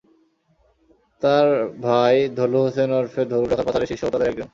তাঁর ভাই ধলু হোসেন ওরফে ধলু ডাকাত পাচারের শীর্ষ হোতাদের একজন।